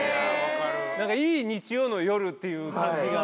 なんかいい日曜の夜っていう感じが。